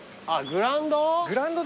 グラウンド？